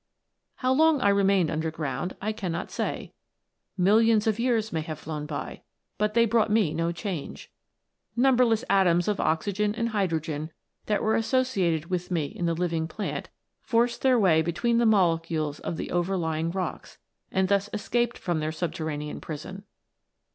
How long I remained underground I cannot say. Millions of years may have flown by, but they brought me no change. Numberless atoms of oxygen and hydrogen that were associated with me in the living plant, forced their way between the molecules of the over THE LIFE OF AN ATOM. 61 lying rooks, and thus escaped from, their subterranean prison.